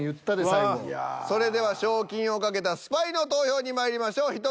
それでは賞金を懸けたスパイの投票にまいりましょう。